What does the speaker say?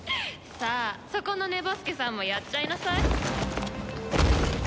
さあそこの寝ぼすけさんもやっちゃいなさい。